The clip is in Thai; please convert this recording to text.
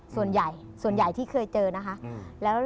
ส่วนใหญ่ที่เคยเจอนะคะ